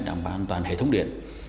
đảm bảo an toàn hệ thống điện